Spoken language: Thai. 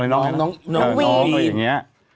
น้องวี